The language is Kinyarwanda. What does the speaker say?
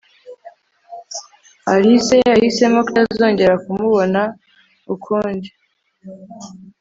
alice yahisemo kutazongera kumubona ukundi